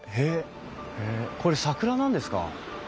へえこれ桜なんですか。